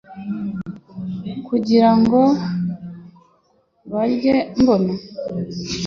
kugira ngo bandye mbona